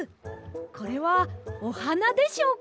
これはおはなでしょうか？